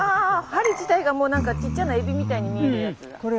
針自体がもう何かちっちゃなエビみたいに見えるやつだ。